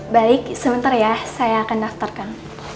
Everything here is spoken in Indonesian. baik sebentar ya saya akan daftarkan